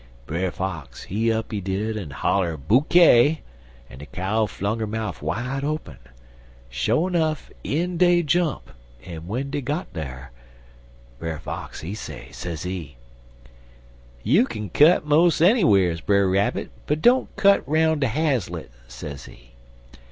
Brer Fox, he up, he did, en holler Bookay, en de cow flung 'er mouf wide open. Sho nuff, in dey jump, en w'en dey got dar, Brer Fox, he say, sezee: "'You kin cut mos' ennywheres, Brer Rabbit, but don't cut 'roun' de haslett,' sezee.